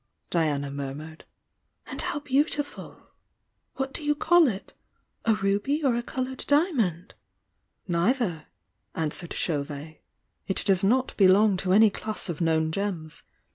Diana murmured. "And how beautiful! What do you call it?— a ruby or a coloured diamond?" "Neither," answered Chauvet. "It does not be long to any class of known gems.